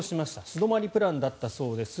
素泊まりプランだったそうです。